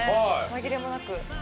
紛れもなく。